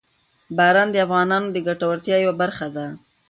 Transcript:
باران د افغانانو د ګټورتیا یوه برخه ده.